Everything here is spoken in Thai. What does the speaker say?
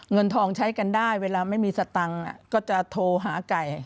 เงินทองใช้กันได้เวลาไม่มีสตังค์ก็จะโทรหาไก่